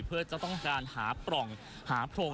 เพื่อจะต้องการหาปล่องหาโพรง